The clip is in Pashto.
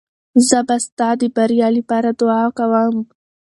زه به ستا د بریا لپاره دعا کوم.